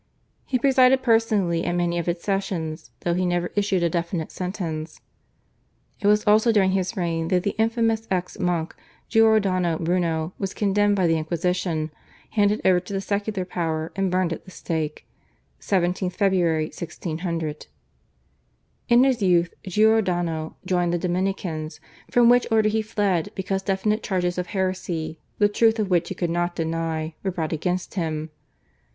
He presided personally at many of its sessions though he never issued a definite sentence. It was also during his reign that the infamous ex monk Giordano Bruno was condemned by the Inquisition, handed over to the secular power, and burned at the stake (17th Feb. 1600). In his youth Giordano joined the Dominicans, from which order he fled because definite charges of heresy, the truth of which he could not deny, were brought against him.